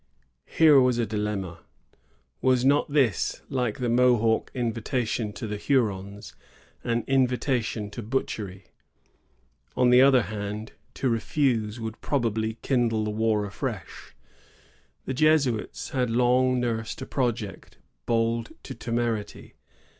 Here was a dilemma. Was not this, like the Mohawk invitation to the Hurons, an invitation to butcheiy? On the other hand, to refuse would probably kindle the war afresh. The Jesuits had long nursed a project bold to temerity.